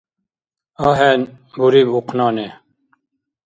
АхӀен, — буриб ухънани.